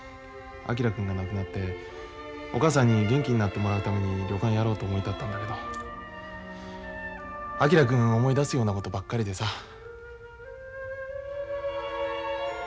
昭君が亡くなっておかあさんに元気になってもらうために旅館やろうと思い立ったんだけど昭君を思い出すようなことばっかりでさ。